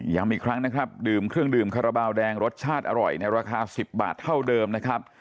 อีกครั้งนะครับดื่มเครื่องดื่มคาราบาลแดงรสชาติอร่อยในราคา๑๐บาทเท่าเดิมนะครับ